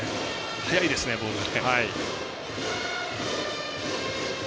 速いですね、ボールが。